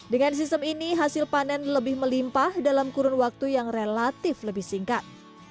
dengan sistem ini hasil panen lebih melimpah dalam kurun waktu yang relatif lebih singkat